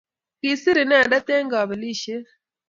Kiisir inendet eng' Kabelishet